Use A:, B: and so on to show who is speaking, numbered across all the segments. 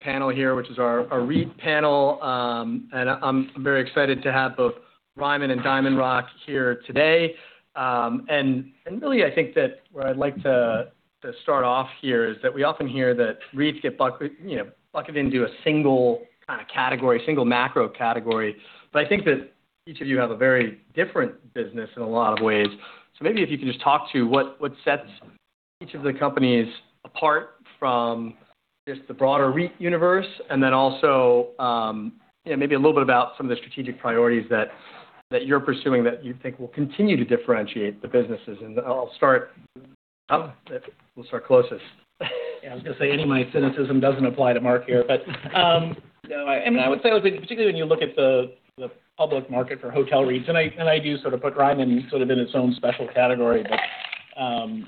A: Panel here, which is our REIT panel. I'm very excited to have both Ryman and DiamondRock here today. Really, I think that where I'd like to start off here is that we often hear that REITs get bucketed into a single category, a single macro category. I think that each of you have a very different business in a lot of ways. Maybe if you could just talk to what sets each of the companies apart from just the broader REIT universe, and then also maybe a little bit about some of the strategic priorities that you're pursuing that you think will continue to differentiate the businesses. I'll start closest.
B: I was going to say any of my cynicism doesn't apply to Mark here. I would say, particularly when you look at the public market for hotel REITs, and I do sort of put Ryman in its own special category. When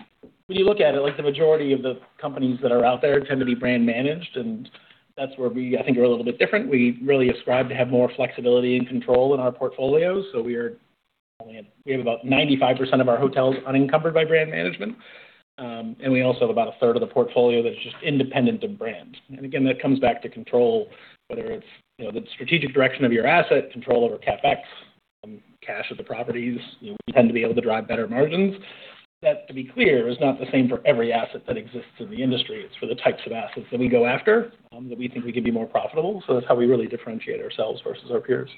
B: you look at it, the majority of the companies that are out there tend to be brand managed, and that's where we, I think, are a little bit different. We really ascribe to have more flexibility and control in our portfolios. We have about 95% of our hotels unencumbered by brand management. We also have about a third of the portfolio that's just independent of brand. Again, that comes back to control, whether it's the strategic direction of your asset, control over CapEx, cash at the properties. We tend to be able to drive better margins. That, to be clear, is not the same for every asset that exists in the industry. It's for the types of assets that we go after that we think we can be more profitable. That's how we really differentiate ourselves versus our peers.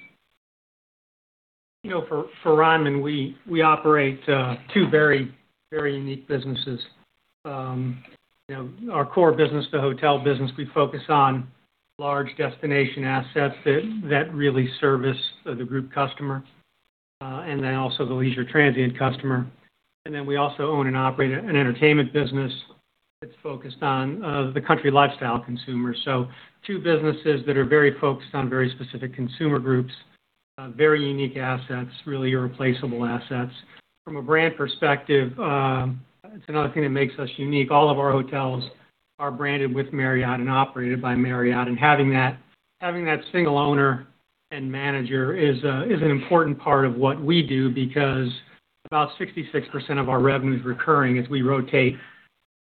C: For Ryman, we operate two very unique businesses. Our core business, the hotel business, we focus on large destination assets that really service the group customer, and then also the leisure transient customer. We also own and operate an entertainment business that's focused on the country lifestyle consumer. Two businesses that are very focused on very specific consumer groups, very unique assets, really irreplaceable assets. From a brand perspective, it's another thing that makes us unique. All of our hotels are branded with and operated by Marriott. Having that single owner and manager is an important part of what we do because about 66% of our revenue is recurring as we rotate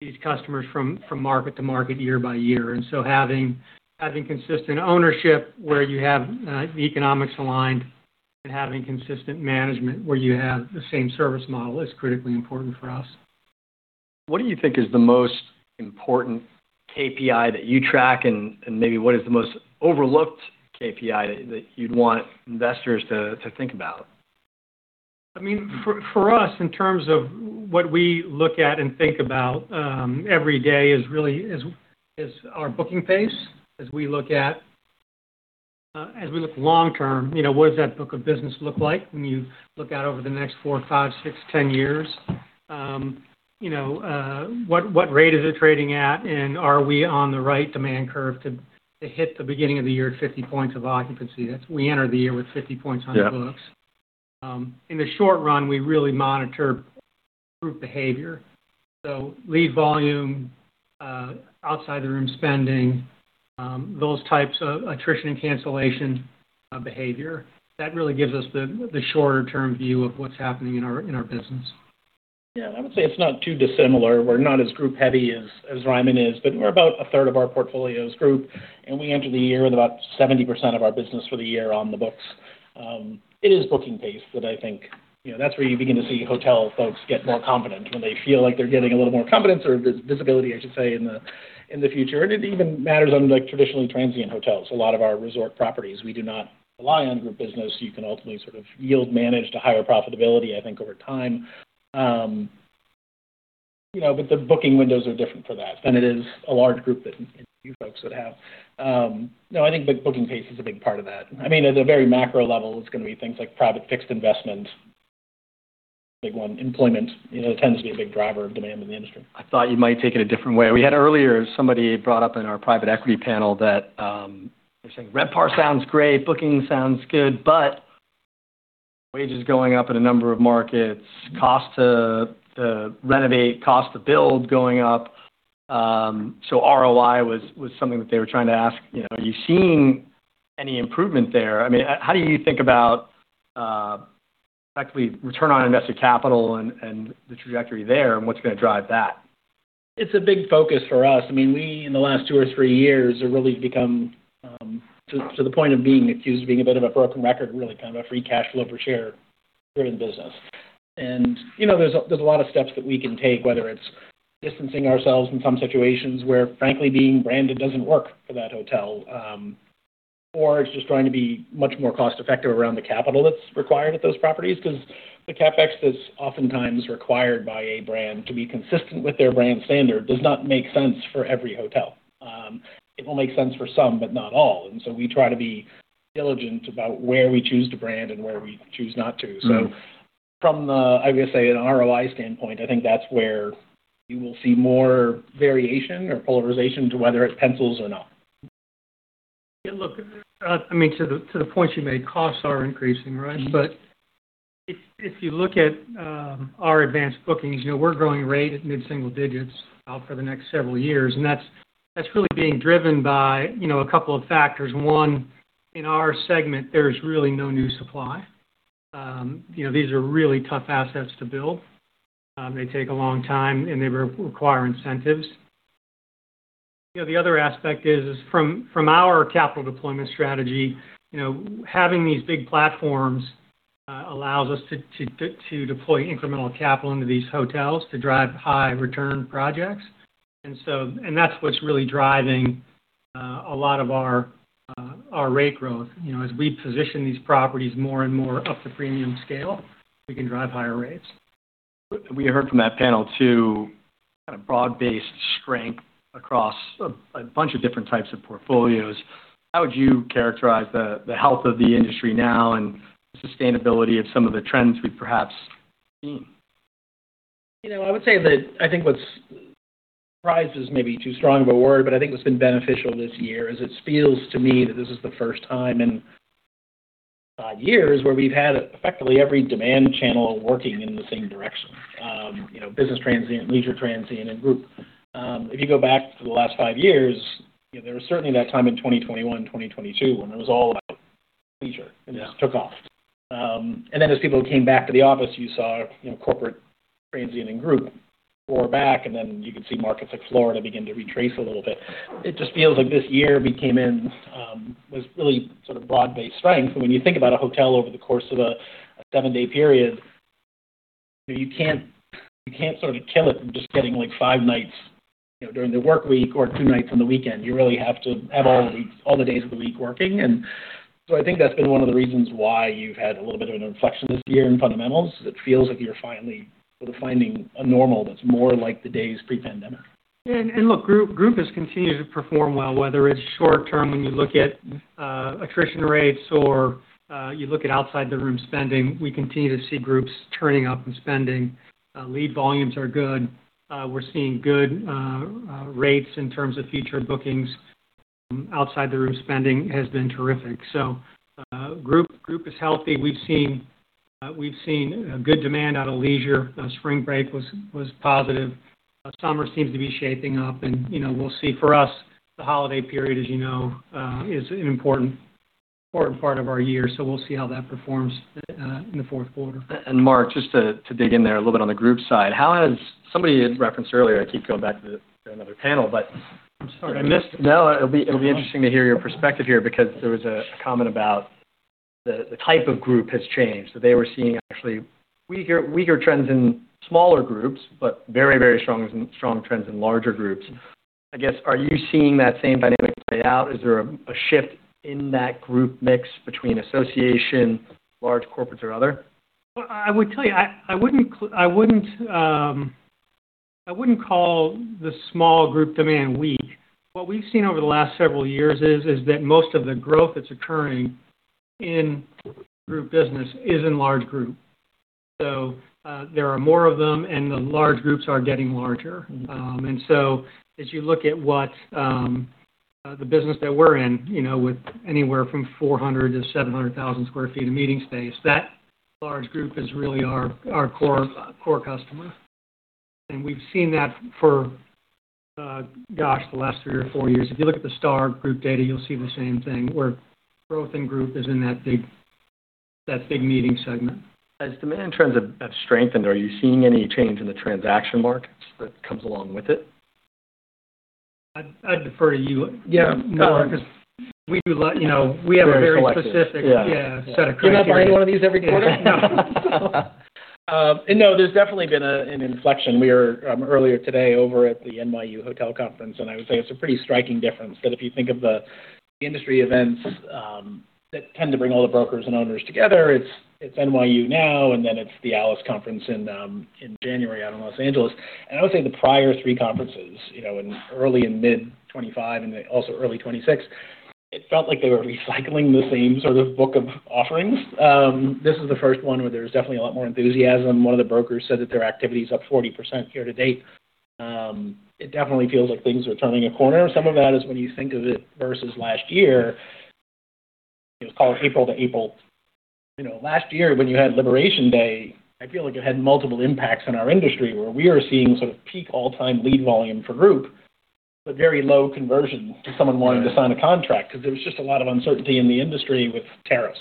C: these customers from market to market by year. Having consistent ownership where you have the economics aligned and having consistent management where you have the same service model is critically important for us.
A: What do you think is the most important KPI that you track, and maybe what is the most overlooked KPI that you'd want investors to think about?
C: For us, in terms of what we look at and think about every day is really our booking pace. As we look long term, what does that book of business look like when you look out over the next four, five, six, 10 years? What rate is it trading at, and are we on the right demand curve to hit the beginning of the year at 50 points of occupancy? We enter the year with 50 points on the books.
A: Yeah.
C: In the short run, we really monitor group behavior, lead volume, outside the room spending, those types of attrition and cancellation behavior. That really gives us the shorter-term view of what's happening in our business.
B: Yeah, I would say it's not too dissimilar. We're not as group-heavy as Ryman is, but we're about a third of our portfolio is group, and we enter the year with about 70% of our business for the year on the books. It is booking pace that's where you begin to see hotel folks get more confident when they feel like they're getting a little more confidence or visibility, I should say, in the future. It even matters on traditionally transient hotels. A lot of our resort properties, we do not rely on group business, so you can ultimately sort of yield manage to higher profitability, I think, over time. The booking windows are different for that than it is a large group that you folks would have. No, I think booking pace is a big part of that. At a very macro level, it's going to be things like private fixed investment, big one, employment tends to be a big driver of demand in the industry.
A: I thought you might take it a different way. We had earlier, somebody brought up in our private equity panel that they're saying RevPAR sounds great, booking sounds good, but wages going up in a number of markets, cost to renovate, cost to build going up. ROI was something that they were trying to ask. Are you seeing any improvement there? How do you think about effectively return on invested capital and the trajectory there, and what's going to drive that?
B: It's a big focus for us. We, in the last two or three years, have really become to the point of being accused of being a bit of a broken record, really kind of a free cash flow per share driven business. There's a lot of steps that we can take, whether it's distancing ourselves in some situations where frankly, being branded doesn't work for that hotel, or it's just trying to be much more cost-effective around the capital that's required at those properties. Because the CapEx that's oftentimes required by a brand to be consistent with their brand standard does not make sense for every hotel. It will make sense for some, but not all. We try to be diligent about where we choose to brand and where we choose not to. I would say an ROI standpoint, I think that's where you will see more variation or polarization to whether it pencils or not.
C: Yeah, look, to the point you made, costs are increasing, right? If you look at our advanced bookings, we're growing rate at mid-single digits out for the next several years, and that's really being driven by a couple of factors. One, in our segment, there's really no new supply. These are really tough assets to build. They take a long time, and they require incentives. The other aspect is from our capital deployment strategy, having these big platforms allows us to deploy incremental capital into these hotels to drive high return projects. That's what's really driving a lot of our rate growth. As we position these properties more and more up the premium scale, we can drive higher rates.
A: We heard from that panel too, broad-based strength across a bunch of different types of portfolios. How would you characterize the health of the industry now and the sustainability of some of the trends we perhaps seen?
B: I would say that I think what's, surprise is maybe too strong of a word, but I think what's been beneficial this year is it feels to me that this is the first time in five years where we've had effectively every demand channel working in the same direction. Business transient, leisure transient, and group. If you go back to the last five years, there was certainly that time in 2021, 2022, when it was all about leisure.
A: Yeah.
B: Just took off. As people came back to the office, you saw corporate transient and group roar back, and then you could see markets like Florida begin to retrace a little bit. It just feels like this year we came in with really sort of broad-based strength. When you think about a hotel over the course of a seven-day period, you can't sort of kill it from just getting five nights during the workweek or two nights on the weekend. You really have to have all the days of the week working, and so I think that's been one of the reasons why you've had a little bit of an inflection this year in fundamentals. It feels like you're finally sort of finding a normal that's more like the days pre-pandemic.
C: Look, group has continued to perform well, whether it's short term when you look at attrition rates or you look at outside the room spending. We continue to see groups turning up and spending. Lead volumes are good. We're seeing good rates in terms of future bookings. Outside the room spending has been terrific. Group is healthy. We've seen a good demand out of leisure. Spring break was positive. Summer seems to be shaping up, and we'll see. For us, the holiday period, as you know, is an important part of our year. We'll see how that performs in the fourth.
A: Mark, just to dig in there a little bit on the group side. Somebody had referenced earlier, I keep going back to another panel.
B: I'm sorry.
A: It'll be interesting to hear your perspective here because there was a comment about the type of group has changed. They were seeing actually weaker trends in smaller groups, but very strong trends in larger groups. I guess, are you seeing that same dynamic play out? Is there a shift in that group mix between association, large corporates, or other?
C: Well, I would tell you, I wouldn't call the small group demand weak. What we've seen over the last several years is that most of the growth that's occurring in group business is in large group. There are more of them, the large groups are getting larger. As you look at the business that we're in, with anywhere from 400,000 to 700,000 sq ft of meeting space, that large group is really our core customer. We've seen that for, gosh, the last three or four years. If you look at the STR data, you'll see the same thing, where growth in group is in that big meeting segment.
A: As demand trends have strengthened, are you seeing any change in the transaction markets that comes along with it?
C: I'd defer to you.
B: Yeah. No, because we have a very.
A: Yeah.
B: Set of criteria.
A: Do you not buy any one of these every quarter?
B: No. No, there's definitely been an inflection. We were earlier today over at the NYU Hotel Conference, and I would say it's a pretty striking difference that if you think of the industry events that tend to bring all the brokers and owners together, it's NYU now, and then it's the ALIS conference in January out in Los Angeles. I would say the prior three conferences, in early and mid 2025 and also early 2026, it felt like they were recycling the same sort of book of offerings. This is the first one where there's definitely a lot more enthusiasm. One of the brokers said that their activity is up 40% year to date. It definitely feels like things are turning a corner. Some of that is when you think of it versus last year, call it April to April. Last year when you had liberation Day, I feel like it had multiple impacts on our industry, where we are seeing sort of peak all-time lead volume for group, but very low conversion to someone wanting to sign a contract because there was just a lot of uncertainty in the industry with tariffs.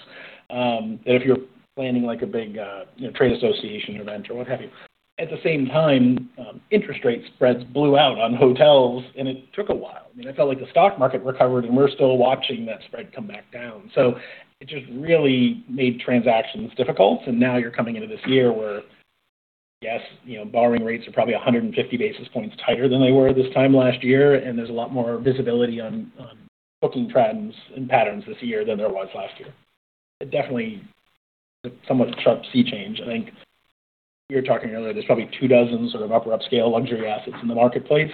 B: That if you're planning like a big trade association event or what have you. At the same time, interest rate spreads blew out on hotels, and it took a while. It felt like the stock market recovered, and we're still watching that spread come back down. It just really made transactions difficult, and now you're coming into this year where, yes, borrowing rates are probably 150 basis points tighter than they were this time last year, and there's a lot more visibility on booking trends and patterns this year than there was last year. It definitely is somewhat a sharp sea change. I think you were talking earlier, there's probably two dozen sort of upper upscale luxury assets in the marketplace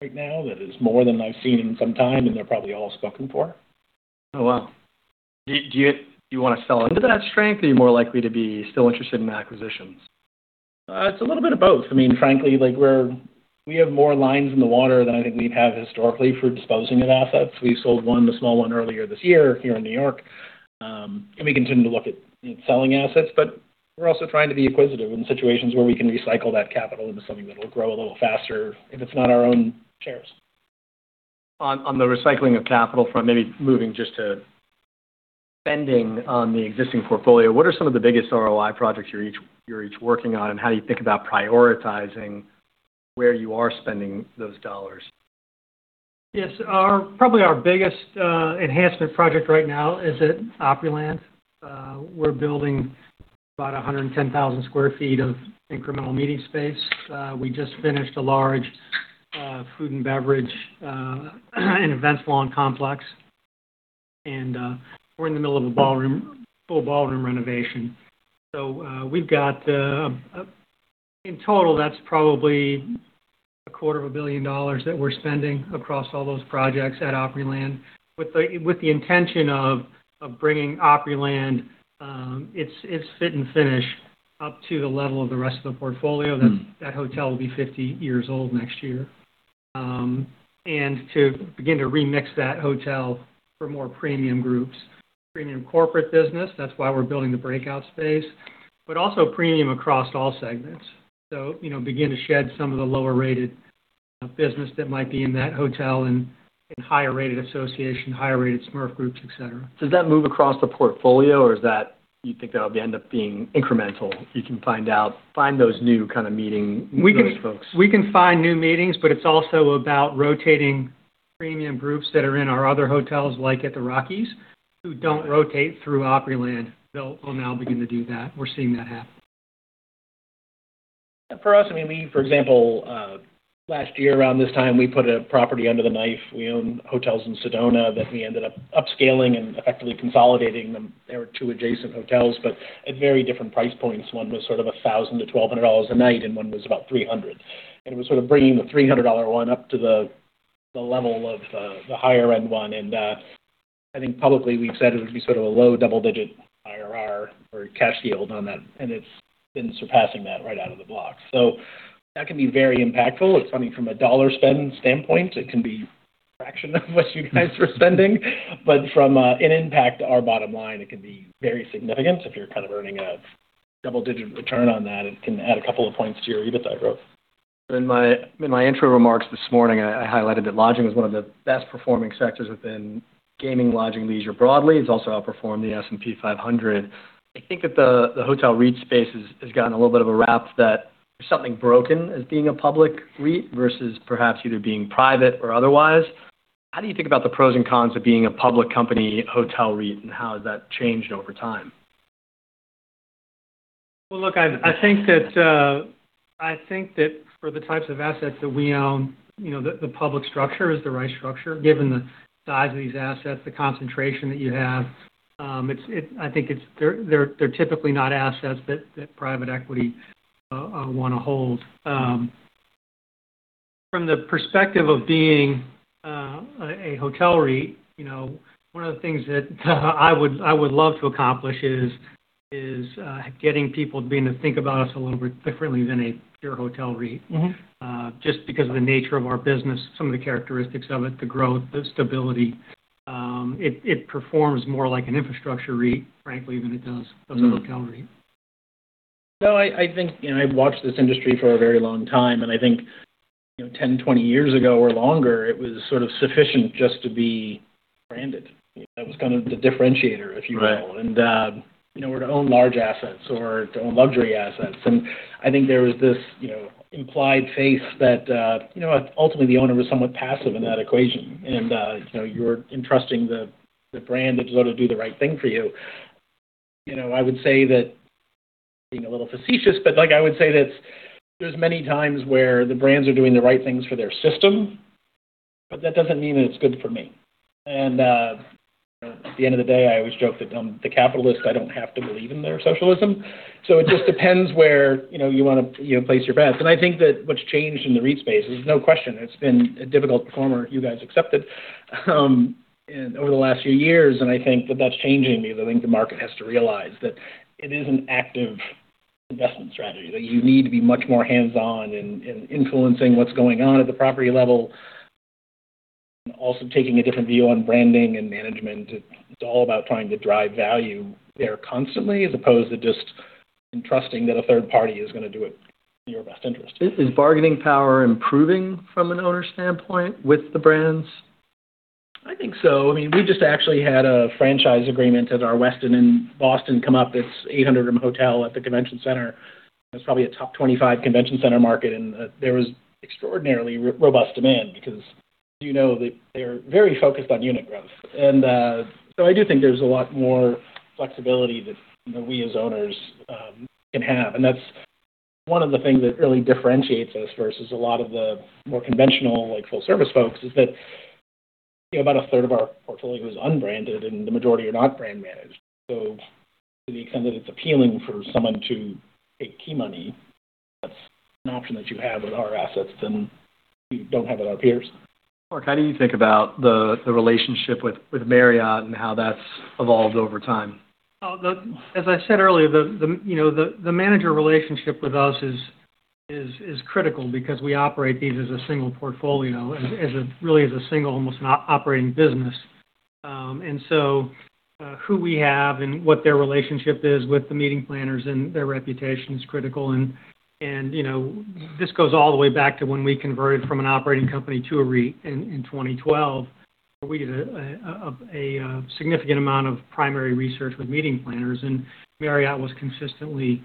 B: right now. That is more than I've seen in some time, and they're probably all spoken for.
A: Oh, wow. Do you want to sell into that strength, or are you more likely to be still interested in acquisitions?
B: It's a little bit of both. Frankly, we have more lines in the water than I think we've had historically for disposing of assets. We sold one, the small one earlier this year here in New York. We continue to look at selling assets, but we're also trying to be acquisitive in situations where we can recycle that capital into something that'll grow a little faster if it's not our own shares. On the recycling of capital front, maybe moving just to spending on the existing portfolio, what are some of the biggest ROI projects you're each working on, and how do you think about prioritizing where you are spending those dollars?
C: Yes. Probably our biggest enhancement project right now is at Opryland. We're building about 110,000 square feet of incremental meeting space. We just finished a large food and beverage and events lawn complex, and we're in the middle of a full ballroom renovation. So we've got, in total, that's probably a quarter of a billion dollars that we're spending across all those projects at Opryland with the intention of bringing Opryland, its fit and finish, up to the level of the rest of the portfolio. That hotel will be 50 years old next year. To begin to remix that hotel for more premium groups, premium corporate business, that's why we're building the breakout space, but also premium across all segments. Begin to shed some of the lower-rated business that might be in that hotel and get higher-rated association, higher-rated SMERF groups, et cetera.
B: Does that move across the portfolio, or do you think that'll end up being incremental? You can find those new kind of.
C: We can-
B: those folks.
C: We can find new meetings, but it's also about rotating premium groups that are in our other hotels, like at the Rockies, who don't rotate through Opryland. They'll now begin to do that. We're seeing that happen.
B: For us, for example, last year around this time, we put a property under the knife. We own hotels in Sedona that we ended up upscaling and effectively consolidating them. They were two adjacent hotels, but at very different price points. One was sort of $1,000-$1,200 a night, and one was about $300. It was sort of bringing the $300 one up to the level of the higher-end one. I think publicly, we've said it would be sort of a low double-digit IRR or cash yield on that, and it's been surpassing that right out of the block. That can be very impactful. I mean, from a dollar spend standpoint, it can be a fraction of what you guys are spending. From an impact to our bottom line, it can be very significant if you're kind of earning a double-digit return on that, it can add a couple of points to your EBITDA growth.
A: In my intro remarks this morning, I highlighted that lodging was one of the best-performing sectors within gaming, lodging, leisure broadly. It's also outperformed the S&P 500. I think that the hotel REIT space has gotten a little bit of a rap that there's something broken as being a public REIT versus perhaps either being private or otherwise. How do you think about the pros and cons of being a public company hotel REIT, and how has that changed over time?
C: Look, I think that for the types of assets that we own, the public structure is the right structure, given the size of these assets, the concentration that you have. I think they're typically not assets that private equity want to hold. From the perspective of being a hotel REIT, one of the things that I would love to accomplish is getting people being to think about us a little bit differently than a pure hotel REIT. Just because of the nature of our business, some of the characteristics of it, the growth, the stability, it performs more like an infrastructure REIT, frankly, than it does. a hotel REIT.
B: I've watched this industry for a very long time, and I think 10, 20 years ago or longer, it was sort of sufficient just to be branded. That was kind of the differentiator, if you will.
A: Right.
B: We're to own large assets or to own luxury assets, I think there was this implied faith that ultimately the owner was somewhat passive in that equation. You're entrusting the brand to go to do the right thing for you. I would say that, being a little facetious, but I would say that there's many times where the brands are doing the right things for their system, but that doesn't mean that it's good for me. At the end of the day, I always joke that I'm the capitalist, I don't have to believe in their socialism. It just depends where you want to place your bets. I think that what's changed in the REIT space, there's no question, it's been a difficult performer, you guys accepted, and over the last few years. I think that that's changing, because I think the market has to realize that it is an active investment strategy, that you need to be much more hands-on in influencing what's going on at the property level, and also taking a different view on branding and management. It's all about trying to drive value there constantly, as opposed to just entrusting that a third party is going to do it in your best interest.
A: Is bargaining power improving from an owner standpoint with the brands?
B: I think so. We just actually had a franchise agreement at our Westin in Boston come up. It's a 800-room hotel at the convention center. It's probably a top 25 convention center market, and there was extraordinarily robust demand because you know they're very focused on unit growth. I do think there's a lot more flexibility that we as owners can have. That's one of the things that really differentiates us versus a lot of the more conventional full-service folks, is that about a third of our portfolio is unbranded and the majority are not brand managed. To the extent that it's appealing for someone to take key money, that's an option that you have with our assets that you don't have with our peers.
A: Mark, how do you think about the relationship with Marriott and how that's evolved over time?
C: As I said earlier, the manager relationship with us is critical because we operate these as a single portfolio, really as a single almost operating business. So who we have and what their relationship is with the meeting planners and their reputation is critical. This goes all the way back to when we converted from an operating company to a REIT in 2012, where we did a significant amount of primary research with meeting planners, and Marriott was consistently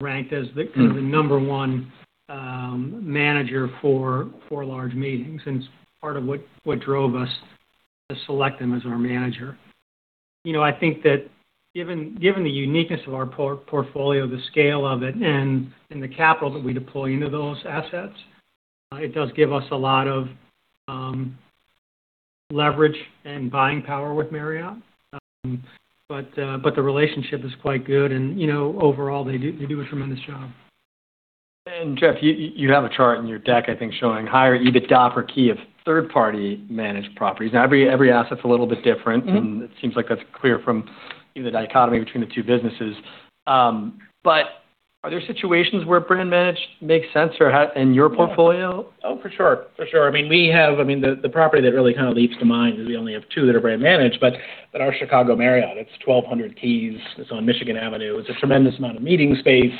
C: ranked as the number 1 manager for large meetings, and it's part of what drove us to select them as our manager. I think that given the uniqueness of our portfolio, the scale of it, and the capital that we deploy into those assets, it does give us a lot of leverage and buying power with Marriott. The relationship is quite good, and overall, they do a tremendous job.
A: Jeff, you have a chart in your deck, I think, showing higher EBITDA for key third-party managed properties. Now, every asset's a little bit different, and it seems like that's clear from either dichotomy between the two businesses. Are there situations where brand managed makes sense in your portfolio?
B: Oh, for sure. The property that really kind of leaps to mind is we only have two that are brand managed, but our Chicago Marriott, it's 1,200 keys. It's on Michigan Avenue. It's a tremendous amount of meeting space.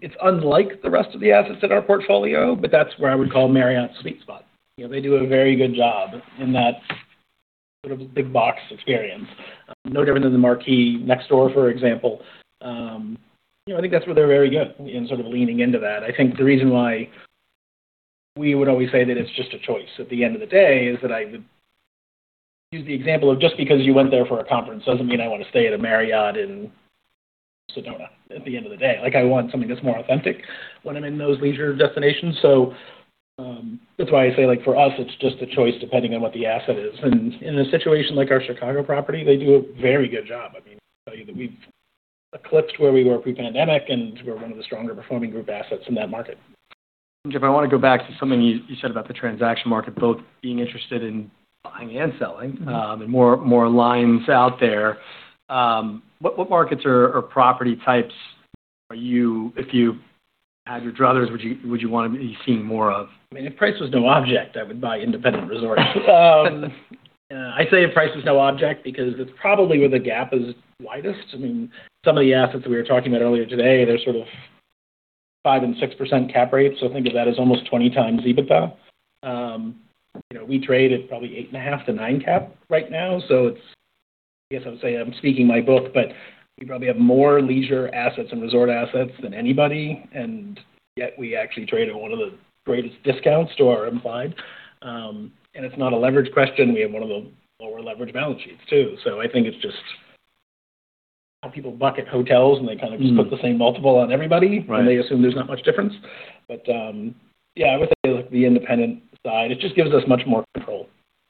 B: It's unlike the rest of the assets in our portfolio, but that's where I would call Marriott's sweet spot. They do a very good job in that sort of big box experience. No different than the Marquis next door, for example. I think that's where they're very good in sort of leaning into that. I think the reason why we would always say that it's just a choice at the end of the day is that I would use the example of just because you went there for a conference doesn't mean I want to stay at a Marriott in Sedona at the end of the day. I want something that's more authentic when I'm in those leisure destinations. That's why I say, for us, it's just a choice depending on what the asset is. In a situation like our Chicago property, they do a very good job. I can tell you that we've eclipsed where we were pre-pandemic, and we're one of the stronger performing group assets in that market.
A: Jeff, I want to go back to something you said about the transaction market, both being interested in buying and selling, and more lines out there. What markets or property types, if you had your druthers, would you want to be seeing more of?
B: If price was no object, I would buy independent resorts. I say if price was no object, because that's probably where the gap is widest. Some of the assets we were talking about earlier today, they're sort of 5% and 6% cap rates. Think of that as almost 20 times EBITDA. We trade at probably 8.5-9 cap right now. I guess I would say I'm speaking my book, but we probably have more leisure assets and resort assets than anybody, and yet we actually trade at one of the greatest discounts to our implied. It's not a leverage question. We have one of the lower leverage balance sheets, too. I think it's just how people bucket hotels, and they kind of just put the same multiple on everybody.
A: Right.
B: They assume there's not much difference. Yeah, I would say the independent side, it just gives us much more control.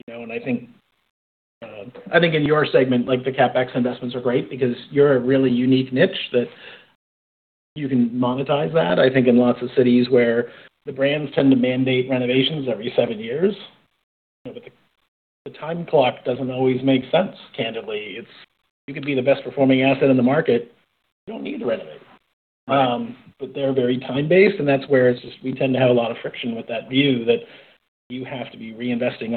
B: I think in your segment, the CapEx investments are great because you're a really unique niche that you can monetize that. I think in lots of cities where the brands tend to mandate renovations every seven years. The time clock doesn't always make sense, candidly. You could be the best performing asset in the market, you don't need to renovate.
A: Right.
B: They're very time-based, and that's where it's just we tend to have a lot of friction with that view that you have to be reinvesting,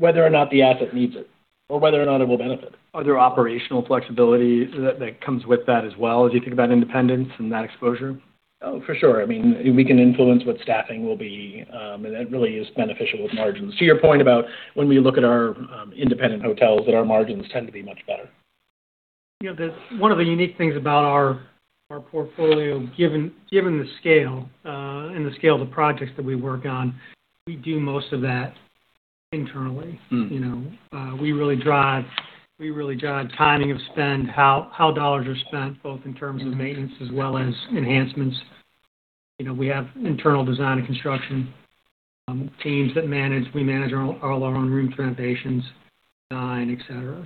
B: whether or not the asset needs it or whether or not it will benefit.
A: Are there operational flexibility that comes with that as well as you think about independence and that exposure?
B: Oh, for sure. We can influence what staffing will be, and that really is beneficial with margins. To your point about when we look at our independent hotels, that our margins tend to be much better.
C: One of the unique things about our portfolio, given the scale and the scale of the projects that we work on, we do most of that internally. We really drive timing of spend, how dollars are spent, both in terms of maintenance as well as enhancements. We have internal design and construction teams that manage. We manage all our own room renovations, design, et cetera.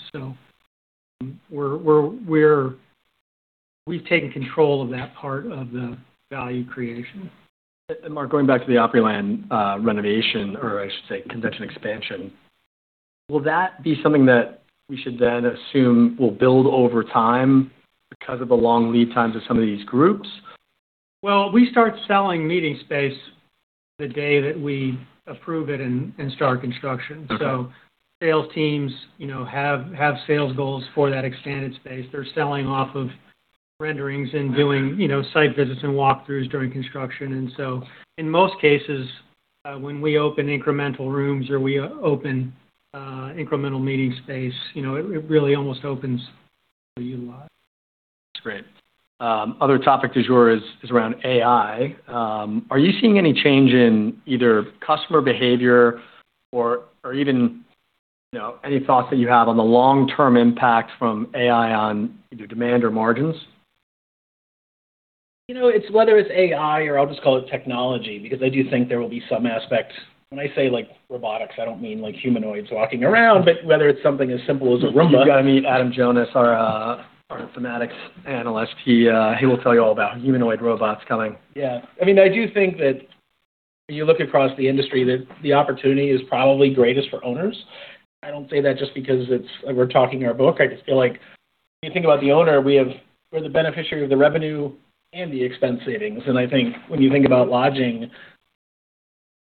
C: We've taken control of that part of the value creation.
A: Mark, going back to the Opryland renovation, or I should say convention expansion, will that be something that we should then assume will build over time because of the long lead times of some of these groups?
C: Well, we start selling meeting space the day that we approve it and start construction.
A: Okay.
C: Sales teams have sales goals for that expanded space. They're selling off of renderings and doing site visits and walkthroughs during construction. In most cases, when we open incremental rooms or we open incremental meeting space, it really almost opens the utilization.
A: That's great. Other topic du jour is around AI. Are you seeing any change in either customer behavior or even any thoughts that you have on the long-term impact from AI on either demand or margins?
B: Whether it's AI, or I'll just call it technology, because I do think there will be some aspect. When I say like robotics, I don't mean like humanoids walking around, but whether it's something as simple as a Roomba.
A: You've got to meet Adam Jonas, our thematics analyst. He will tell you all about humanoid robots coming.
B: Yeah. I do think that when you look across the industry, that the opportunity is probably greatest for owners. I don't say that just because we're talking our book. I just feel like when you think about the owner, we're the beneficiary of the revenue and the expense savings. I think when you think about lodging,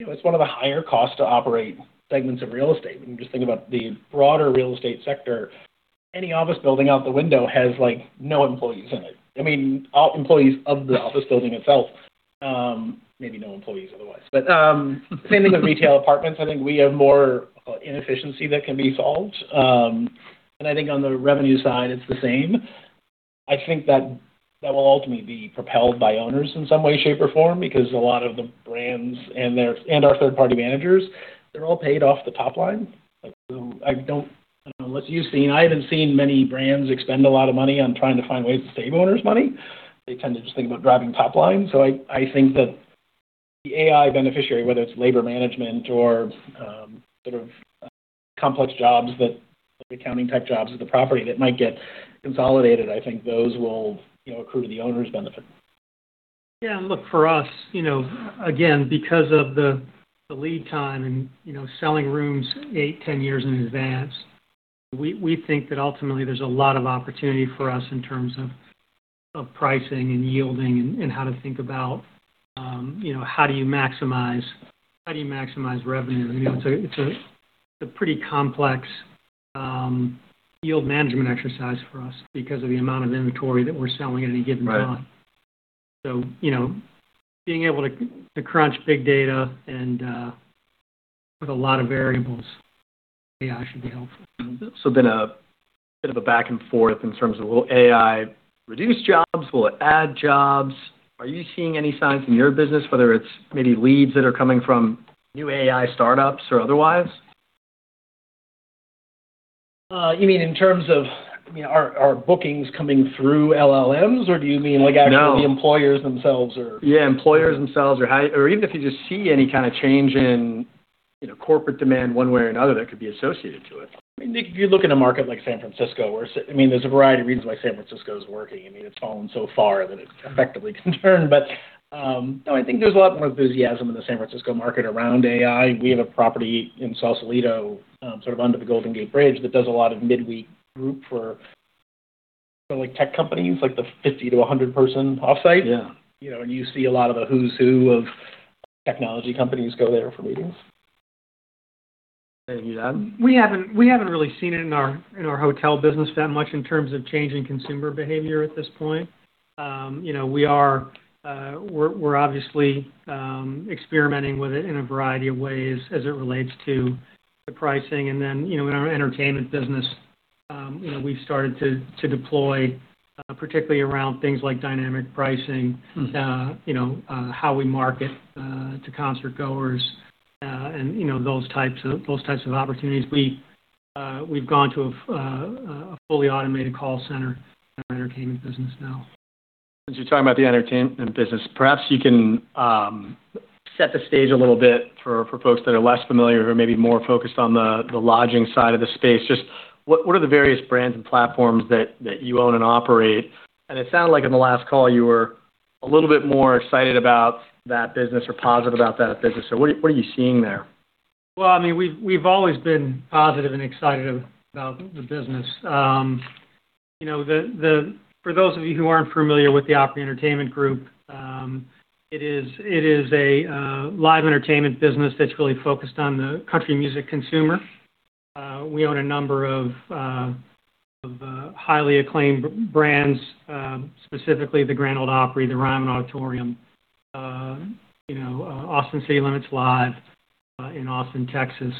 B: it's one of the higher cost to operate segments of real estate. When you just think about the broader real estate sector, any office building out the window has no employees in it. I mean, employees of the office building itself, maybe no employees otherwise. Same thing with retail apartments. I think we have more inefficiency that can be solved. I think on the revenue side, it's the same. I think that will ultimately be propelled by owners in some way, shape, or form, because a lot of the brands and our third-party managers, they're all paid off the top line. I don't know. I haven't seen many brands expend a lot of money on trying to find ways to save owners money. They tend to just think about driving top line. I think that the AI beneficiary, whether it's labor management or sort of complex jobs that, like accounting type jobs at the property that might get consolidated, I think those will accrue to the owner's benefit.
C: Yeah. Look, for us, again, because of the lead time and selling rooms 8-10 years in advance, we think that ultimately there's a lot of opportunity for us in terms of pricing and yielding and how do you maximize revenue? It's a pretty complex yield management exercise for us because of the amount of inventory that we're selling at any given time.
A: Right.
C: Being able to crunch big data and with a lot of variables, AI should be helpful.
A: A bit of a back and forth in terms of will AI reduce jobs? Will it add jobs? Are you seeing any signs in your business, whether it's maybe leads that are coming from new AI startups or otherwise?
C: You mean in terms of are bookings coming through LLMs, or do you mean?
A: No
C: actually the employers themselves or?
A: Yeah, employers themselves or even if you just see any kind of change in corporate demand one way or another that could be associated to it.
B: If you look in a market like San Francisco, There's a variety of reasons why San Francisco is working. It's fallen so far that it's effectively concerned. I think there's a lot more enthusiasm in the San Francisco market around AI. We have a property in Sausalito, sort of under the Golden Gate Bridge that does a lot of midweek group for tech companies, like the 50 to 100 person offsite.
A: Yeah.
B: You see a lot of the who's who of technology companies go there for meetings.
A: Thank you.
C: We haven't really seen it in our hotel business that much in terms of changing consumer behavior at this point. We're obviously experimenting with it in a variety of ways as it relates to the pricing. Then, in our entertainment business, we've started to deploy, particularly around things like dynamic pricing. How we market to concertgoers, and those types of opportunities. We've gone to a fully automated call center in our entertainment business now.
A: Since you're talking about the entertainment business, perhaps you can set the stage a little bit for folks that are less familiar or maybe more focused on the lodging side of the space. Just what are the various brands and platforms that you own and operate? It sounded like in the last call you were a little bit more excited about that business or positive about that business. What are you seeing there?
C: Well, we've always been positive and excited about the business. For those of you who aren't familiar with the Opry Entertainment Group, it is a live entertainment business that's really focused on the country music consumer. We own a number of highly acclaimed brands, specifically the Grand Ole Opry, the Ryman Auditorium, Austin City Limits Live, in Austin, Texas.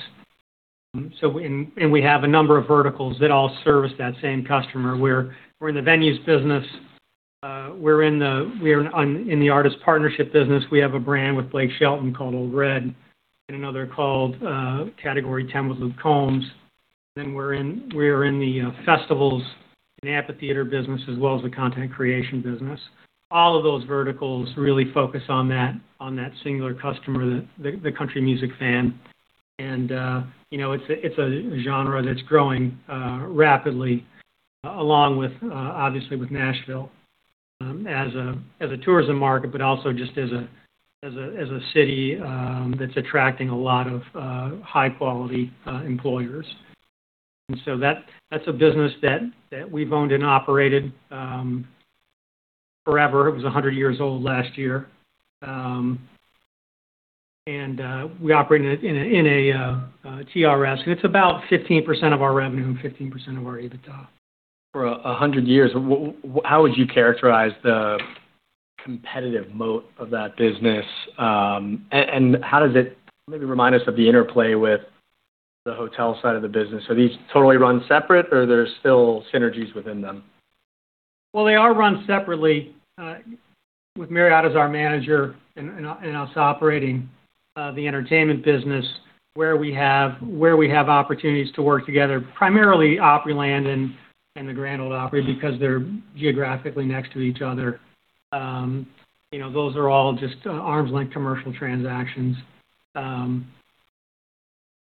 C: We have a number of verticals that all service that same customer, where we're in the venues business. We're in the artist partnership business. We have a brand with Blake Shelton called Ole Red and another called with Luke Combs. We're in the festivals and amphitheater business as well as the content creation business. All of those verticals really focus on that singular customer, the country music fan. It's a genre that's growing rapidly along with, obviously, with Nashville, as a tourism market, but also just as a city that's attracting a lot of high-quality employers. That's a business that we've owned and operated forever. It was 100 years old last year. We operate in a TRS, and it's about 15% of our revenue and 15% of our EBITDA.
A: For 100 years, how would you characterize the competitive moat of that business? How does it remind us of the interplay with the hotel side of the business? Are these totally run separate or there's still synergies within them?
C: Well, they are run separately. With Marriott as our manager and us operating the entertainment business where we have opportunities to work together, primarily Opryland and the Grand Ole Opry, because they're geographically next to each other. Those are all just arm's length commercial transactions. It's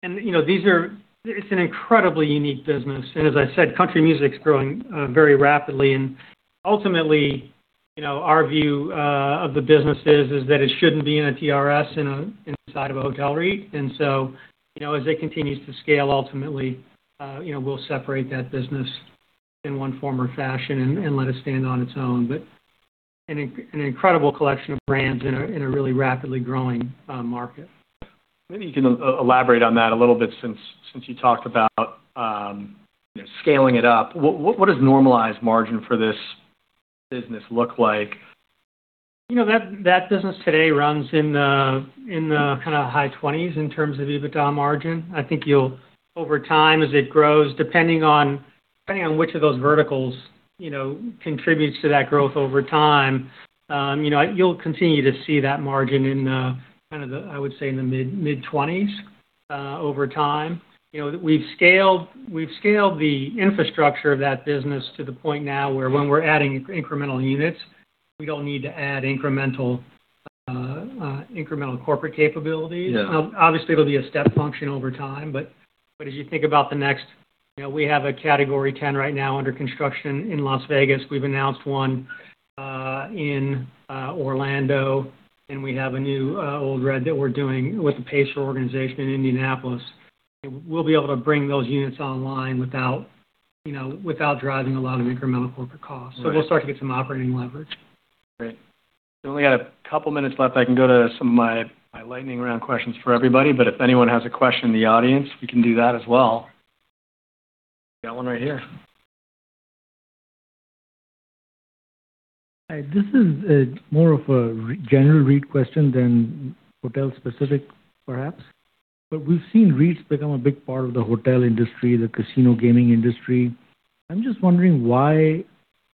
C: an incredibly unique business. As I said, country music's growing very rapidly. Ultimately, our view of the business is that it shouldn't be in a TRS inside of a hotel REIT. As it continues to scale, ultimately we'll separate that business in one form or fashion and let it stand on its own. An incredible collection of brands in a really rapidly growing market.
A: Maybe you can elaborate on that a little bit since you talked about scaling it up. What does normalized margin for this business look like?
C: That business today runs in the high 20s in terms of EBITDA margin. I think over time as it grows, depending on which of those verticals contributes to that growth over time, you'll continue to see that margin in the, I would say, in the mid-20s over time. We've scaled the infrastructure of that business to the point now where when we're adding incremental units, we don't need to add incremental corporate capabilities.
A: Yeah.
C: It'll be a step function over time, but we have a Category 10 right now under construction in Las Vegas. We've announced one in Orlando, and we have a new Ole Red that we're doing with the organization in Indianapolis. We'll be able to bring those units online without driving a lot of incremental corporate costs.
A: Right.
C: We'll start to get some operating leverage.
A: Great. We only got a couple minutes left. I can go to some of my lightning round questions for everybody, but if anyone has a question in the audience, we can do that as well. Got one right here.
D: Hi. This is more of a general REIT question than hotel specific, perhaps. We've seen REITs become a big part of the hotel industry, the casino gaming industry. I'm just wondering why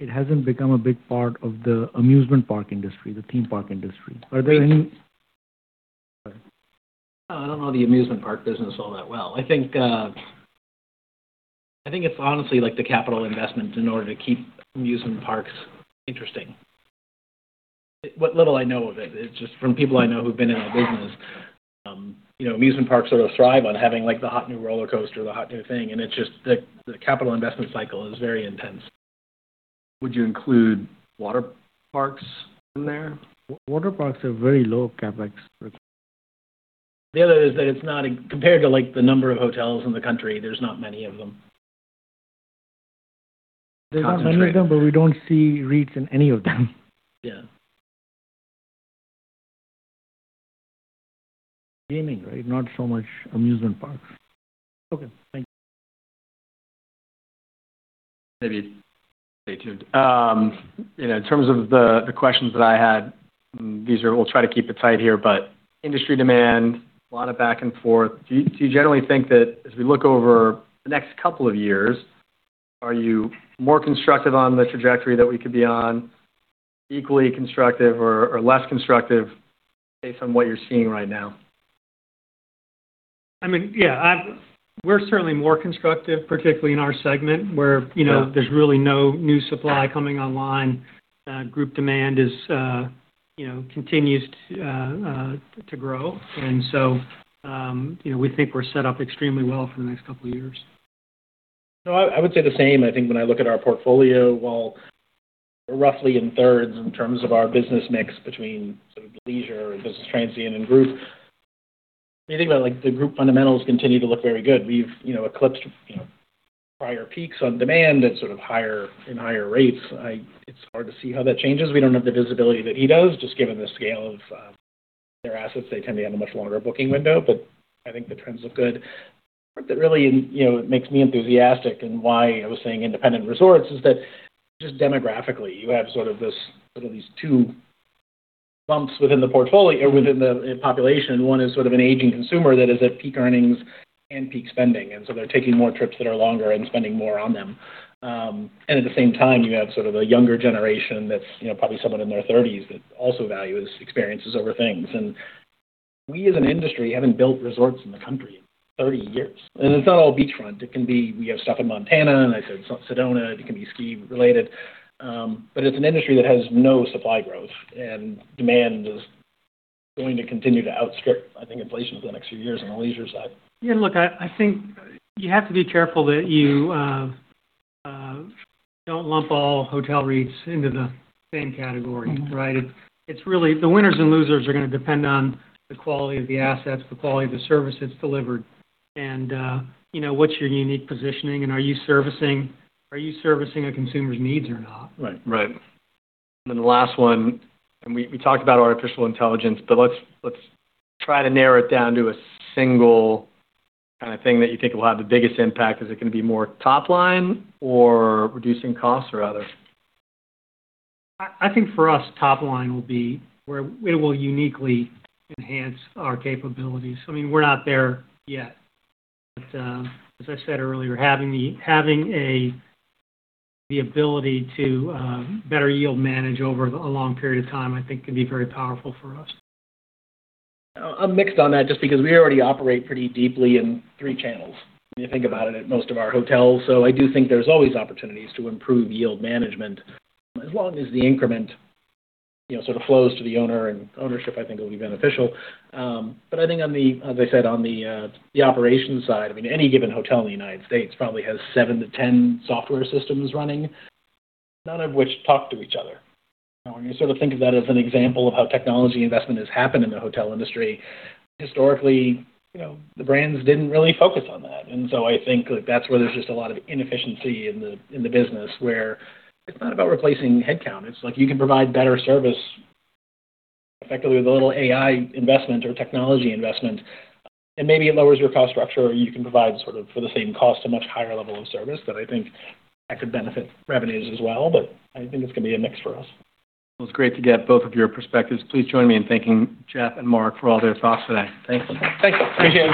D: it hasn't become a big part of the amusement park industry, the theme park industry. Are there any.
C: I don't know the amusement park business all that well. I think it's honestly the capital investment in order to keep amusement parks interesting. What little I know of it is just from people I know who've been in the business. Amusement parks sort of thrive on having the hot new rollercoaster, the hot new thing, and the capital investment cycle is very intense.
A: Would you include water parks in there?
D: Water parks are very low CapEx requirement.
C: The other is that compared to the number of hotels in the country, there's not many of them.
A: Concentrated.
D: There's not many of them, but we don't see REITs in any of them.
C: Yeah.
D: Gaming, right? Not so much amusement parks. Okay, thank you.
A: Maybe stay tuned. In terms of the questions that I had, we'll try to keep it tight here, but industry demand, a lot of back and forth. Do you generally think that as we look over the next couple of years, are you more constructive on the trajectory that we could be on, equally constructive or less constructive based on what you're seeing right now?
C: I mean yeah we're certainly more constructive, particularly in our segment.
A: Yeah
C: There's really no new supply coming online. Group demand continues to grow, and so we think we're set up extremely well for the next couple of years.
B: No, I would say the same. I think when I look at our portfolio, while we're roughly in thirds in terms of our business mix between leisure and business transient and group, when you think about the group fundamentals continue to look very good. We've eclipsed prior peaks on demand at higher and higher rates. It's hard to see how that changes. We don't have the visibility that he does, just given the scale of their assets. They tend to have a much longer booking window. I think the trends look good. The part that really makes me enthusiastic and why I was saying independent resorts is that just demographically, you have these two bumps within the population. One is sort of an aging consumer that is at peak earnings and peak spending. They're taking more trips that are longer and spending more on them. At the same time, you have a younger generation that's probably someone in their 30s that also values experiences over things. We, as an industry, haven't built resorts in the country in 30 years. It's not all beachfront. We have stuff in Montana, and I said Sedona. It can be ski-related. It's an industry that has no supply growth, and demand is going to continue to outstrip, I think, inflation over the next few years on the leisure side.
C: Yeah, look, I think you have to be careful that you don't lump all hotel REITs into the same category, right? The winners and losers are going to depend on the quality of the assets, the quality of the service that's delivered, and what's your unique positioning and are you servicing a consumer's needs or not?
A: Right. The last one, and we talked about artificial intelligence, but let's try to narrow it down to a single kind of thing that you think will have the biggest impact. Is it going to be more top line or reducing costs or other?
C: I think for us, top line will be where it will uniquely enhance our capabilities. We're not there yet. As I said earlier, having the ability to better yield manage over a long period of time, I think, can be very powerful for us.
B: I'm mixed on that just because we already operate pretty deeply in three channels, when you think about it, at most of our hotels. I do think there's always opportunities to improve yield management, as long as the increment sort of flows to the owner and ownership, I think it will be beneficial. I think, as I said, on the operations side, any given hotel in the U.S. probably has seven to 10 software systems running, none of which talk to each other. When you sort of think of that as an example of how technology investment has happened in the hotel industry, historically, the brands didn't really focus on that. I think that's where there's just a lot of inefficiency in the business where it's not about replacing headcount. It's like you can provide better service effectively with a little AI investment or technology investment, and maybe it lowers your cost structure, or you can provide sort of for the same cost, a much higher level of service that I think that could benefit revenues as well, but I think it's going to be a mix for us.
A: It's great to get both of your perspectives. Please join me in thanking Jeff and Mark for all their thoughts today. Thank you.
B: Thank you.